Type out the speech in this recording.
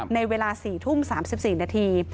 ในเวลา๔ทุ่ม๓๔นาที